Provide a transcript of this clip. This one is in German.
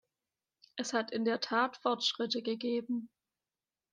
Es hat in der Tat Fortschritte gegeben.